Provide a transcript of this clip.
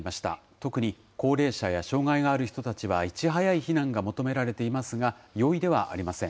特に高齢者や障害がある人たちはいち早い避難が求められていますが、容易ではありません。